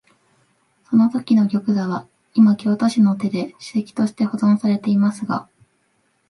そのときの玉座は、いま京都市の手で史跡として保存されていますが、